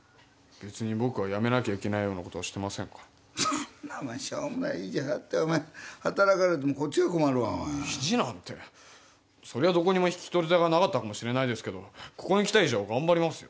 僕は辞めなきゃいけないようなことはしてませんからしょうもない意地で働かれてもこっちが困るわ意地なんて引き取り手がなかったかもしれないですけどここに来た以上がんばりますよ